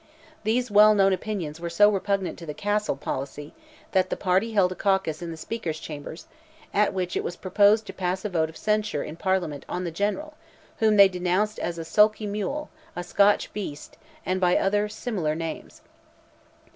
These well known opinions were so repugnant to the Castle policy, that that party held a caucus in the Speaker's Chambers, at which it was proposed to pass a vote of censure in Parliament on the General, whom they denounced as "a sulky mule," "a Scotch beast," and by other similar names.